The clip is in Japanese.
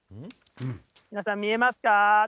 皆さん、見えますか？